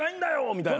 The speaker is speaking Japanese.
みたいな。